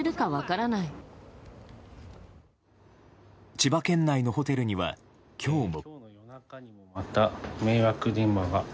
千葉県内のホテルには今日も。